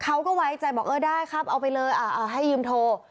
เขาก็ไว้ใจบอกได้ครับเอาไปเลยให้ยืมโทร